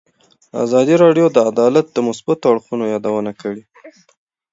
ازادي راډیو د عدالت د مثبتو اړخونو یادونه کړې.